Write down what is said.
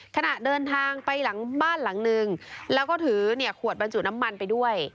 ขณะเดินทางไปหลังบ้านหลังนึงแล้วก็ถือเนี่ยขวดบรรจุน้ำมันไปด้วย